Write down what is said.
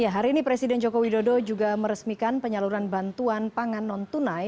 hari ini presiden joko widodo juga meresmikan penyaluran bantuan pangan non tunai